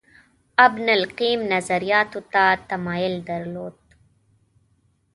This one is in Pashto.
ابن القیم نظریاتو ته تمایل درلود